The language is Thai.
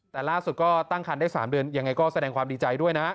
แต่ล่าสุดก็ตั้งคันได้๓เดือนยังไงก็แสดงความดีใจด้วยนะ